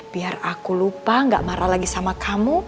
biar aku lupa gak marah lagi sama kamu